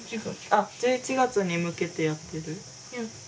あっ１１月に向けてやってる？